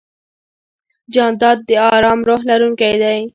جانداد د ارام روح لرونکی دی.